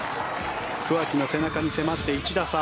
桑木の背中に迫って１打差。